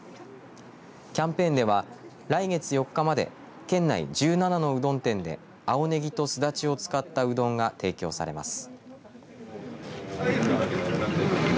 キャンペーンでは、来月４日まで県内１７のうどん店で青ねぎとすだちを使ったうどんが提供されます。